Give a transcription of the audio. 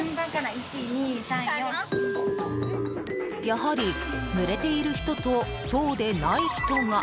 やはり、ぬれている人とそうでない人が。